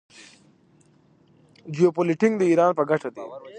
جیوپولیټیک د ایران په ګټه دی.